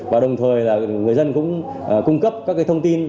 và đồng thời là người dân cũng cung cấp các thông tin